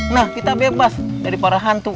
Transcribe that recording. nah kita bebas dari para hantu